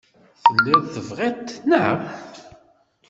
Telliḍ tebɣiḍ-t, naɣ?